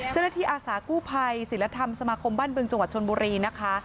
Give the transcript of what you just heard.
อาสากู้ภัยศิลธรรมสมาคมบ้านบึงจังหวัดชนบุรีนะคะ